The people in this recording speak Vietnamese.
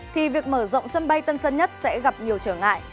thì việc mở rộng sân bay tân sơn nhất sẽ gặp nhiều trở ngại